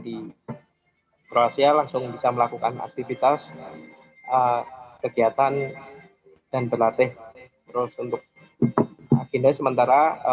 di kroasia langsung bisa melakukan aktivitas kegiatan dan berlatih terus untuk agenda sementara